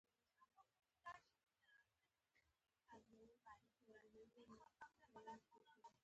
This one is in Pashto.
خو چینی چېرته غلی کېده په غوسه و پرې.